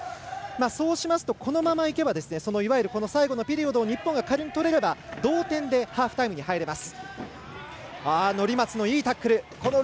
そうしますと、このままいけば最後のピリオドを日本が仮に取れれば、同点でハーフタイムに入れます。